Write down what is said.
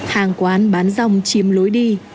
hàng quán bán dòng chiếm lối đi